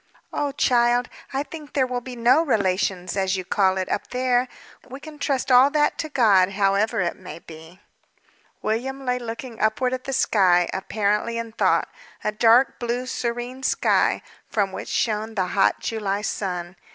"Oh, child! I think there will be no relations, as you call it, up there. We can trust all that to God, however it may be." William lay looking upward at the sky, apparently in thought, a dark blue, serene sky, from which shone the hot July sun.